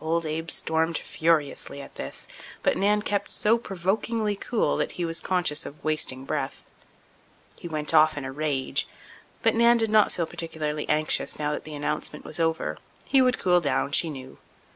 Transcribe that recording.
Old Abe stormed furiously at this, but Nan kept so provokingly cool that he was conscious of wasting breath. He went off in a rage, but Nan did not feel particularly anxious now that the announcement was over. He would cool down, she knew.